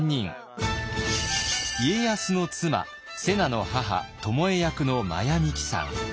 家康の妻瀬名の母巴役の真矢ミキさん。